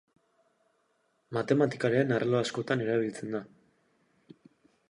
Matematikaren arlo askotan erabiltzen da.